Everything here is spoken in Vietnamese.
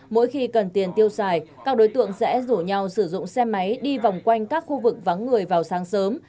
mỗi khi cần tiền tiêu xài các đối tượng sẽ rủ nhau sử dụng xe máy đi vòng quanh các khu vực vắng người vào sáng sớm